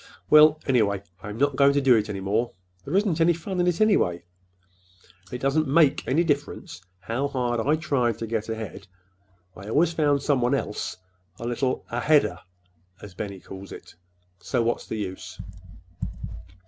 "Well, anyhow, I'm not going to do it any more. There isn't any fun in it, anyway. It doesn't make any difference how hard I tried to get ahead, I always found somebody else a little 'aheader' as Benny calls it. So what's the use?"